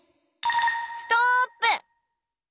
ストップ。